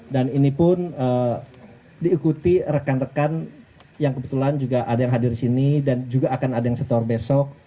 dan ini pun diikuti rekan rekan yang kebetulan juga ada yang hadir di sini dan juga akan ada yang setor besok